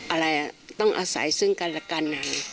อะไรต้องอาศัยซึ่งกันและกัน